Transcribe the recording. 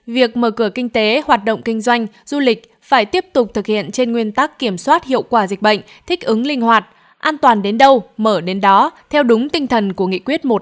việc mở cửa kinh tế hoạt động kinh doanh du lịch phải tiếp tục thực hiện trên nguyên tắc kiểm soát hiệu quả dịch bệnh thích ứng linh hoạt an toàn đến đâu mở đến đó theo đúng tinh thần của nghị quyết một trăm một mươi hai